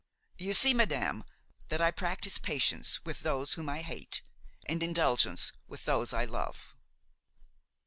You see, madame, that I practise patience with those whom I hate and indulgence with those I love."